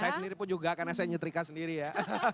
saya sendiri pun juga karena saya nyetrika sendiri ya